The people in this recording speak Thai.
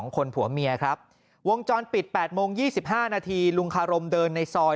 คนผัวเมียครับวงจรปิด๘โมง๒๕นาทีลุงคารมเดินในซอย